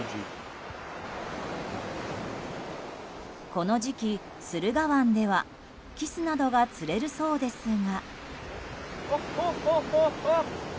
この時期、駿河湾ではキスなどが釣れるそうですが。